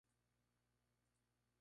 Susie tiene una hermano mayor.